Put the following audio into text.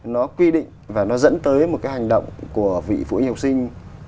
nó quy định và nó dẫn tới một cái hành động của vị phụ huynh học sinh